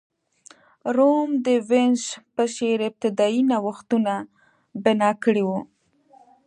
روم د وینز په څېر ابتدايي نوښتونه بنا کړي وو.